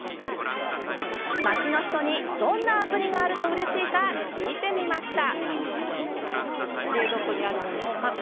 街の人にどんなアプリがあるとうれしいか聞いてみました。